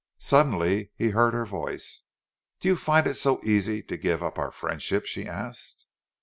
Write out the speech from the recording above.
Suddenly he heard her voice. "Do you find it so easy to give up our friendship?" she asked.